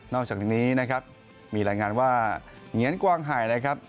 อกจากนี้นะครับมีรายงานว่าเหงียนกวางหายเลยครับ